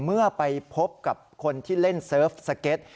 เมื่อไปพบกับคนที่เล่นเซิร์ฟสเก็ต